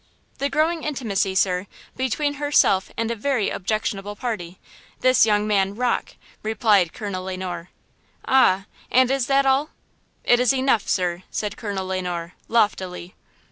"The growing intimacy, sir, between herself and a very objectionable party–this young man Rocke!" replied Colonel Le Noir. "Ah! and is that all?" "It is enough, sir," said Colonel Le Noir, loftily.